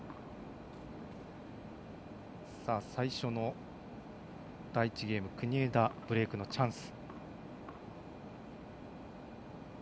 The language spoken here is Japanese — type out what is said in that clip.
最初の第１ゲーム国枝、ブレークのチャンス。